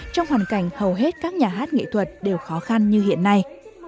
trong hoàn cảnh hầu hết các nhà hát nghệ thuật đều khó khăn như hiện nay